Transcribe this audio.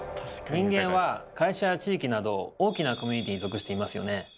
人間は会社や地域など大きなコミュニティに属していますよね。